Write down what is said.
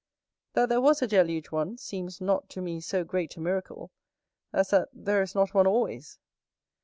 That there was a deluge once seems not to me so great a miracle as that there is not one always.